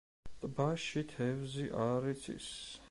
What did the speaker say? ტბაში თევზი არ იცის.